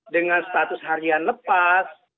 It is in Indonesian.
dengan status harian lepas